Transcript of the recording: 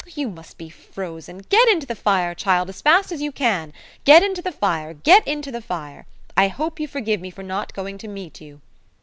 You must be frozen. Get in to the fire, child, as fast as you can. Get in to the fire, get in to the fire. I hope you forgive me for not going to meet you."